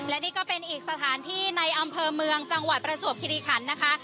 และนี่ก็เป็นอีกสถานที่ในอำเภอเมืองจังหวัดประจวบคิริขันนะคะ